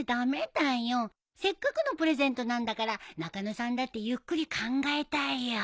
せっかくのプレゼントなんだから中野さんだってゆっくり考えたいよ。